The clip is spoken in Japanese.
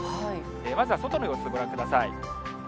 まずは外の様子、ご覧ください。